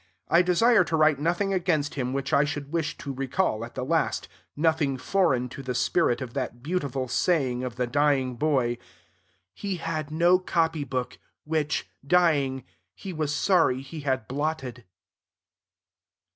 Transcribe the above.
I desire to write nothing against him which I should wish to recall at the last, nothing foreign to the spirit of that beautiful saying of the dying boy, "He had no copy book, which, dying, he was sorry he had blotted."